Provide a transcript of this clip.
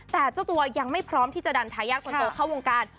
แต่เจ้าตัวยังไม่พร้อมที่จะดันทายาทคนโตเข้าวงการ